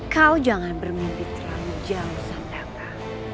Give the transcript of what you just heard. kau jangan bermimpi terlalu jauh sandara